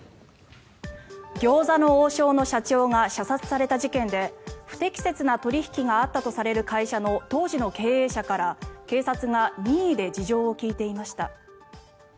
餃子の王将の社長が射殺された事件で不適切な取引があったとされる会社の当時の経営者から警察が任意で事情を聴いていました。